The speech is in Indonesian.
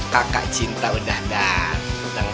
kakak cinta udah datang